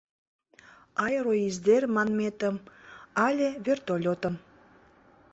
Аэроиздер манметым але вертолётым?..